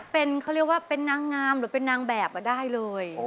เป็นเขาเรียกว่าเป็นนางงามหรือเป็นนางแบบได้เลย